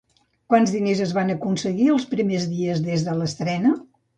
Quants diners es van aconseguir els primers dies des de l'estrena?